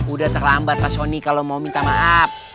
udah terlambat pak soni kalau mau minta maaf